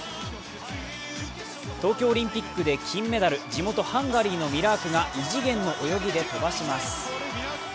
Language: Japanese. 東京オリンピックで金メダル、地元・ハンガリーのミラークが異次元の泳ぎで飛ばします。